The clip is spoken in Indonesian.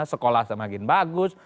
sekolah semakin bagus